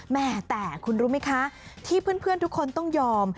แม่แต่คุณรู้ไหมคะที่เพื่อนทุกคนต้องยอม